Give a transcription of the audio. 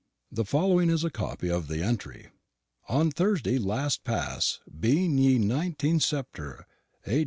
The following is a copy of the entry: "On Thursday last past, being ye 19 Sep'tr, A.